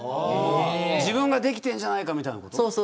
自分ができてるじゃないかってこと。